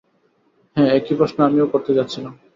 হ্যাঁ, একই প্রশ্ন আমিও করতে যাচ্ছিলাম।